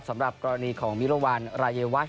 สำหรับกรณีของมิรวรรณรายวัช